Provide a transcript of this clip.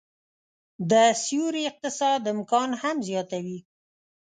د سیوري اقتصاد امکان هم زياتوي